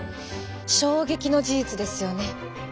衝撃の事実ですよね。